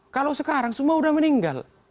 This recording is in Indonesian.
kalau sekarang semua sudah meninggal